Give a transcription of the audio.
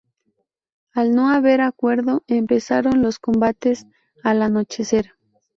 Al no haber acuerdo, empezaron los combates al anochecer.